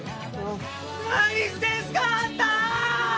何してんすか、あんた。